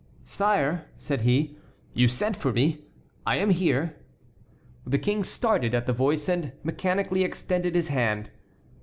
"Sire," said he, "you sent for me; I am here." The King started at the voice and mechanically extended his hand.